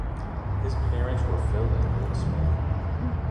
His parents were Phil and Lil Smith.